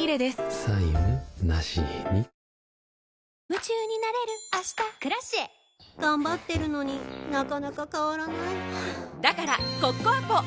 夢中になれる明日「Ｋｒａｃｉｅ」頑張ってるのになかなか変わらないはぁだからコッコアポ！